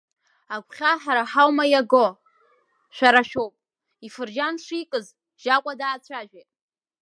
Агәхьаа ҳара ҳаума иаго, шәара шәоуп, ифырџьан шикыз, Жьакәа даацәажәеит.